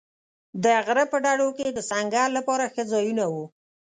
د غره په ډډو کې د سنګر لپاره ښه ځایونه و.